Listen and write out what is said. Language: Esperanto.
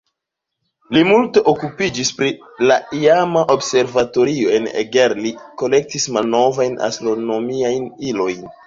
Li multe okupiĝis pri la iama observatorio en Eger, li kolektis malnovajn astronomiajn ilojn.